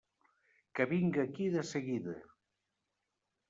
Que vinga ací de seguida!